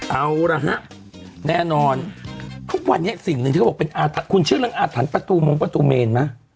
เอาละฮะแน่นอนทุกวันนี้สิ่งหนึ่งที่เขาบอกเป็นอาถรรพ์คุณเชื่อเรื่องอาถรรพ์ประตูมงประตูเมนไหม